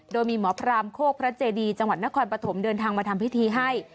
โดยมีหมอพรามโคกพระเจดีจังหวัดนครปฐมเดินทางมาทำพิธีให้